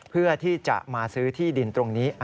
เพื่อที่จะมาซื้อที่ดินตรงนี้